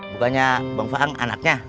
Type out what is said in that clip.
bukannya bang faang anaknya